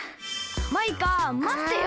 マイカまってよ。